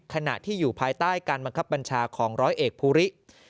ขณะที่อยู่ภายใต้การบังคับบัญชาของร้อยเอกภูริ